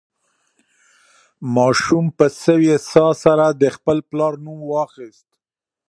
ماشوم په سوې ساه سره د خپل پلار نوم واخیست.